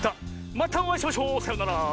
またおあいしましょう！さようなら。